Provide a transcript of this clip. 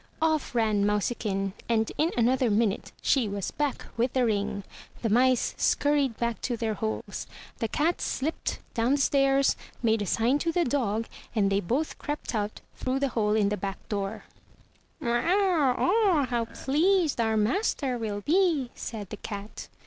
Off ran mousikin, and in another minute she was back with the ring. The mice scurried back to their holes. The cat slipped down the stairs, made a sign to the dog, and they both crept out through the hole in the back door. 344 THROUGH FAIRY HALLS "Oh, how pleased our master will be/' said the cat.